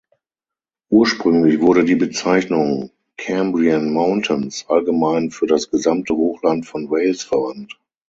Ursprünglich wurde die Bezeichnung "Cambrian Mountains" allgemein für das gesamte Hochland von Wales verwandt.